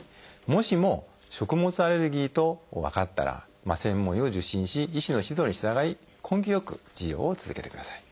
もしも食物アレルギーと分かったら専門医を受診し医師の指導に従い根気よく治療を続けてください。